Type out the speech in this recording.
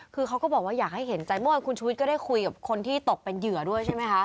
คือเขาก็บอกว่าอยากให้เห็นใจเมื่อวานคุณชุวิตก็ได้คุยกับคนที่ตกเป็นเหยื่อด้วยใช่ไหมคะ